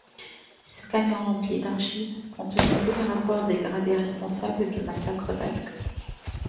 Ce camion rempli d'archives contenait tous les rapports des gradés responsables du massacre d'Ascq.